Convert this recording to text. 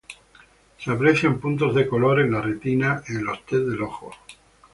Se aprecian puntos de color en la retina en los test del ojo.